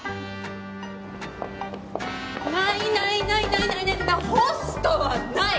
ないないないホストはない！